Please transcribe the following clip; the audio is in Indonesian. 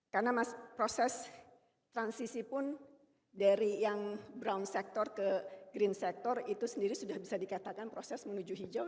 karena proses transisi pun dari yang brown sector ke green sektor itu sendiri sudah bisa dikatakan proses menuju hijau